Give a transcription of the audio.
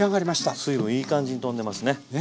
水分いい感じにとんでますね。